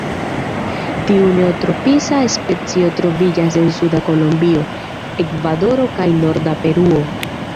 Tiu neotropisa specio troviĝas en suda Kolombio, Ekvadoro kaj norda Peruo.